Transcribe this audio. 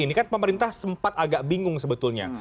ini kan pemerintah sempat agak bingung sebetulnya